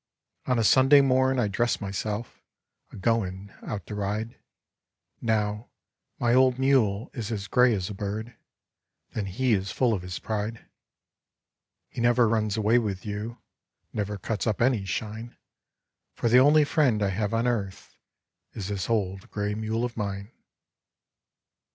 On a Sunday morn I dress myself, A goin' out to ride; Now, my old mule is as gray as a bird, Then he is full of his pride. He never runs away with you, Never cuts up any shine; For the only friend I have on earth Is this old gray mule of mine.